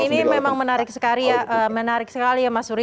ini memang menarik sekali ya mas suri